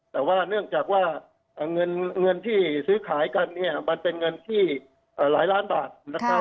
แต่ว่าเนื่องจากว่าเงินที่ซื้อขายกันเนี่ยมันเป็นเงินที่หลายล้านบาทนะครับ